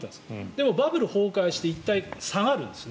でも、バブル崩壊していったん下がるんです。